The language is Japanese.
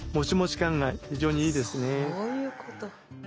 そういうこと。